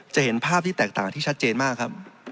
เห็นภาพที่แตกต่างที่ชัดเจนมากครับ